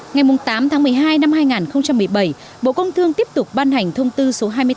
ngày tám tháng một mươi hai năm hai nghìn một mươi bảy bộ công thương tiếp tục ban hành thông tư số hai mươi bốn